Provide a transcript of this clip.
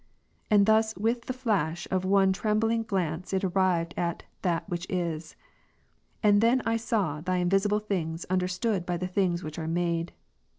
And thus with the flash of one trembling glance it arrived at That Which Is. And then Rom. 1, I saw Thy invisible thitigs understood by the things ivhich "■ are made.